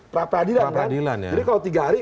prapradilan jadi kalau tiga hari